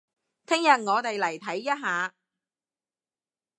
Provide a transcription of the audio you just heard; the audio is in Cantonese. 聽日我哋嚟睇一下